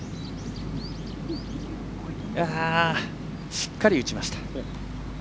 しっかり打ちました。